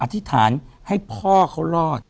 ธิษฐานให้พ่อเขารอด